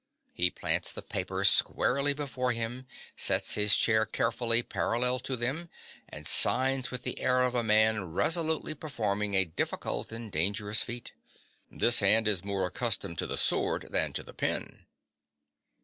(_He plants the papers squarely before him; sets his chair carefully parallel to them; and signs with the air of a man resolutely performing a difficult and dangerous feat._) This hand is more accustomed to the sword than to the pen.